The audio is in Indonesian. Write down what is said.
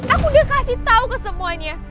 aku udah kasih tau ke semuanya